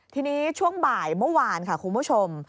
ทีนี้ช่วงบ่ายเมื่อวานค่ะคุณผู้ชม